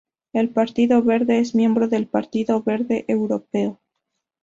El Partido Verde es miembro del Partido Verde Europeo.